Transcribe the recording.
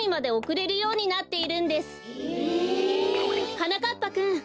はなかっぱくん。